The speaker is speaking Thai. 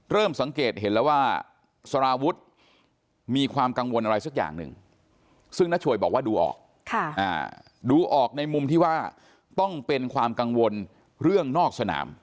เริ่มสังเกตเห็นแล้วว่าสารวุฒิมีความกังวลอะไรสักอย่างหนึ่งซึ่งน้าช่วยบอกว่าดูออกดูออกในมุมที่ว่าต้องเป็นความกังวลเรื่องนอกสนาม